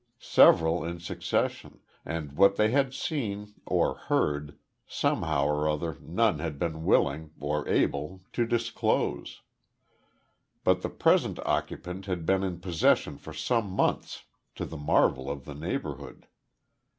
Several in succession; and what they had seen or heard somehow or other none had been willing or able to disclose. But the present occupant had been in possession for some months, to the marvel of the neighbourhood.